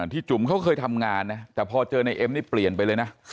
จุ๋มเขาเคยทำงานนะแต่พอเจอในเอ็มนี่เปลี่ยนไปเลยนะ